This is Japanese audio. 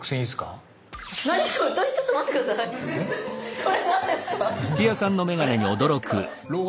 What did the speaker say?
それ何ですか？